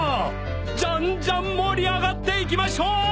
じゃんじゃん盛り上がっていきましょー！